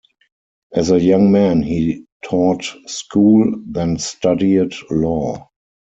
As a young man, he taught school, then studied law.